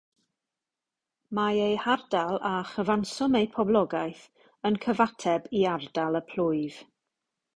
Mae eu hardal a chyfanswm eu poblogaeth yn cyfateb i ardal y plwyf.